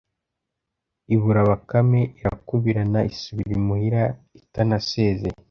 ibura Bakame; irakubirana isubira imuhira itanasezeye